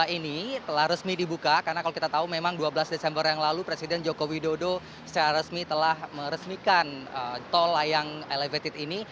ini telah resmi dibuka karena kalau kita tahu memang dua belas desember yang lalu presiden joko widodo secara resmi telah meresmikan tol layang elevated ini